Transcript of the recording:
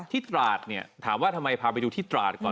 ตราดเนี่ยถามว่าทำไมพาไปดูที่ตราดก่อน